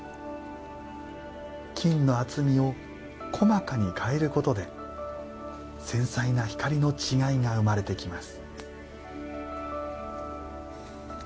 金の厚みを細かに変えることで繊細な光の違いが生まれてきます。